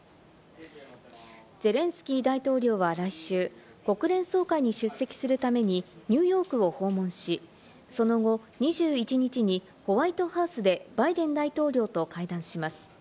ゼレンスキー大統領は来週、国連総会に出席するためにニューヨークを訪問し、その後、２１日にホワイトハウスでバイデン大統領と会談します。